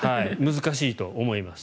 難しいと思います。